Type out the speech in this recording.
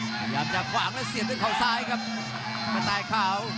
พยายามจะขวางแล้วเสียบด้วยเขาซ้ายครับมันตายขาว